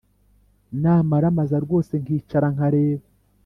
namaramaza rwose nkicara nkareba